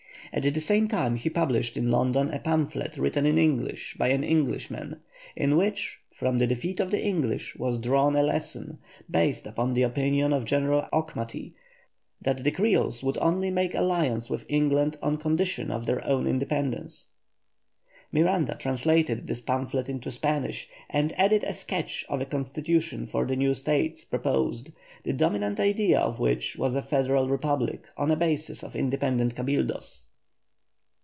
At the same time he published in London a pamphlet written in English by an Englishman, in which from the defeat of the English was drawn a lesson, based upon the opinion of General Auchmuty, that the Creoles would only make alliance with England on condition of their own independence. Miranda translated this pamphlet into Spanish, and added a sketch of a constitution for the new States proposed, the dominant idea of which was a federal republic on a basis of independent Cabildos.